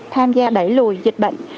tham gia đẩy lùi dịch bệnh